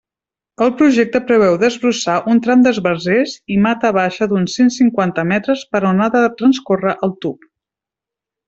El Projecte preveu desbrossar un tram d'esbarzers i mata baixa d'uns cent cinquanta metres per on ha de transcórrer el tub.